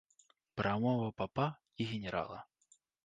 Прамова папа і генерала.